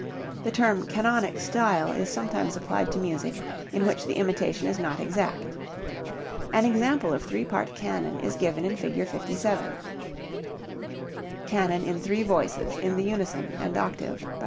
The term "canonic style" is sometimes applied to music in which the imitation is not exact. An example of three part canon is given in Fig. 57. [Illustration: CANON IN THREE VOICES, IN THE UNISON AND OCTAVE Fig.